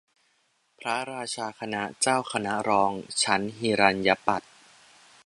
พระราชาคณะ เจ้าคณะรอง ชั้นหิรัณยปัฏ